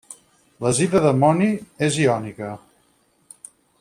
L'azida d'amoni és iònica.